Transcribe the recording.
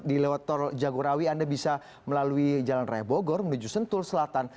di lewat tol jagorawi anda bisa melalui jalan raya bogor menuju sentul selatan